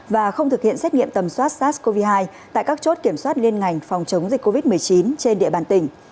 và không thực hiện xét nghiệm tầm soát sars cov hai tại các chốt kiểm soát liên ngành phòng chống dịch covid một mươi chín trên địa bàn tỉnh